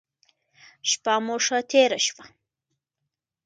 شپه مو ښه تیره شوه.